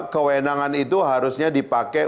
kewenangan itu harusnya dipakai